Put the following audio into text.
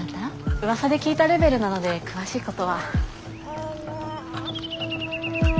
うわさで聞いたレベルなので詳しいことは。